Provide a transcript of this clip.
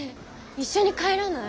一緒に帰らない？